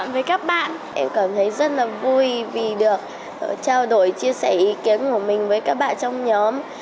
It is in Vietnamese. vui vì được trao đổi chia sẻ ý kiến của mình với các bạn trong nhóm